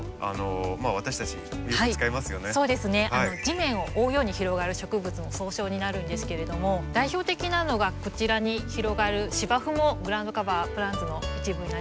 地面を覆うように広がる植物の総称になるんですけれども代表的なのがこちらに広がる芝生もグラウンドカバープランツの一部になります。